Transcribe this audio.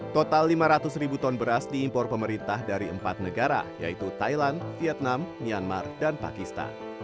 total lima ratus ribu ton beras diimpor pemerintah dari empat negara yaitu thailand vietnam myanmar dan pakistan